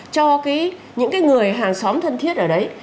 cho những người hàng xóm thân thiết ở đấy